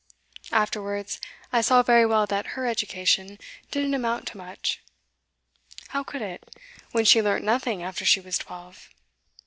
Afterwards, I saw very well that her education didn't amount to much. How could it, when she learnt nothing after she was twelve?